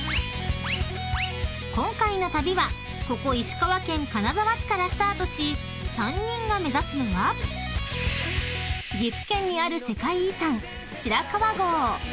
［今回の旅はここ石川県金沢市からスタートし３人が目指すのは岐阜県にある］